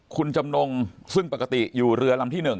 คุณจำนงซึ่งปกติอยู่เรือลำที่๑